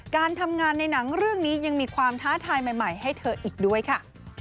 การทำงานในหนังเรื่องนี้ยังมีความท้าทายใหม่ให้เธออีกด้วยค่ะ